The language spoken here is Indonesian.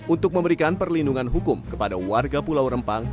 untuk memberikan perlindungan hukum kepada warga pulau rempang